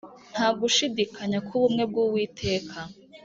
Nta gushidikanya kubumwe bwuwiteka